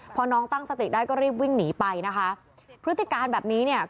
พอน้องตั้งสติได้ก็รีบวิ่งหนีไปนะคะพฤติการแบบนี้เนี่ย